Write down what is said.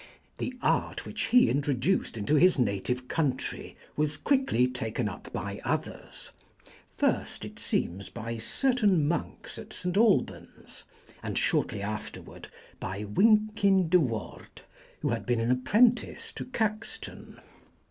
The art which he introduced into his native country was quickly taken up by others; first, it seems, by certain monks at St. Albans, and shortly afterward by Wynkyn de Worde, who had been an apprentice to Caxton.